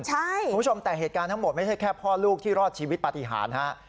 คุณผู้ชมแต่เหตุการณ์ทั้งหมดไม่ใช่แค่พ่อลูกที่รอดชีวิตปฏิหารฮะ